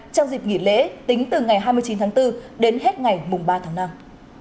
trong dịp nghỉ lễ tính từ ngày hai mươi chín tháng bốn đến hết ngày ba tháng năm